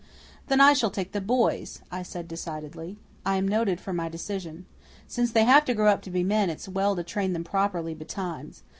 "Then I shall take the boys," I said decidedly. I am noted for my decision. "Since they have to grow up to be men it's well to train them properly betimes.